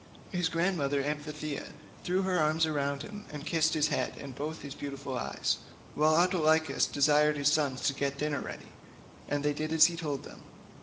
His grandmother Amphithea threw her arms about him, and kissed his head, and both his beautiful eyes, while Autolycus desired his sons to get dinner ready, and they did as he told them.